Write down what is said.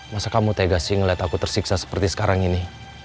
masa kamu tegas sih ngeliat aku tersiksa seperti sekarang ini